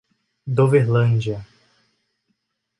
Doverlândia